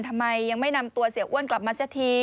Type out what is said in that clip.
ทำไมยังไม่นำตัวเสียอ้วนกลับมาสักที